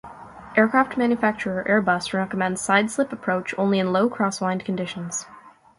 Aircraft manufacturer Airbus recommends sideslip approach only in low crosswind conditions.